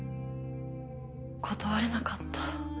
断れなかった。